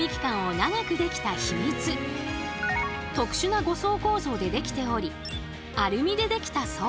特殊な５層構造でできておりアルミでできた層も！